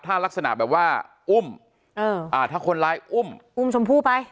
ถ้ารักษณะแบบว่าอุ้มถ้าคนร้ายอุ้มจมพู่ไป